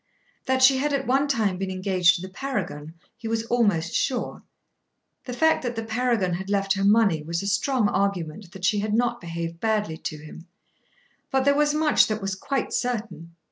That she had at one time been engaged to the Paragon he was almost sure. The fact that the Paragon had left her money was a strong argument that she had not behaved badly to him. But there was much that was quite certain.